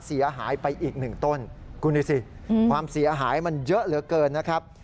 เสียหายไปอีกหนึ่งต้นคุณดูสิความเสียหายมันเยอะเหลือเกินนะครับ